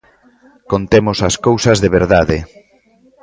Contemos as cousas de verdade.